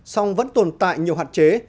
song vẫn tồn tại nhiều hạn chế